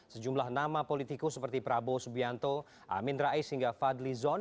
sejumlah nama politikus seperti prabowo subianto amin rais hingga fadli zon